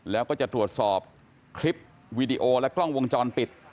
แล้วก็จะตรวจสอบคลิปวีดีโอและกล้องวงจรปิด